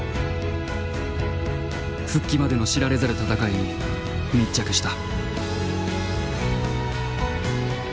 復帰までの知られざる闘いに密着した。